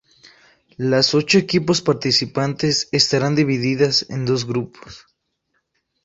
Las ocho equipos participantes estarán divididas en dos grupos.